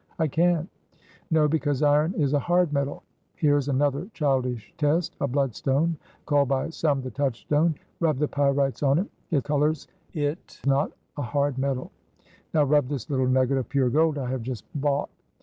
"I can't." "No, because iron is a hard metal. Here is another childish test a bloodstone, called by some the touchstone. Rub the pyrites on it. It colors it not a hard metal. Now rub this little nugget of pure gold I have just bought."